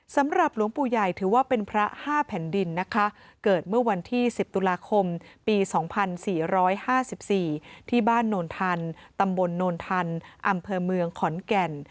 สำหรับหลวงปู่ใหญ่ถือว่าเป็นพระ๕แผ่นดินนะคะเกิดเมื่อวันที่๑๐ตุลาคมปี๒๔๕๔ที่บ้านโนนทันตำบลโนนทันอำเภอเมืองขอนแก่น